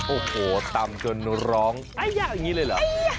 โอ้โหตำจนร้องอายะอย่างนี้เลยเหรอ